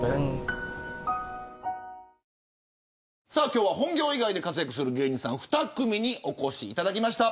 今日は、本業以外で活躍する芸人さん２組にお越しいただきました。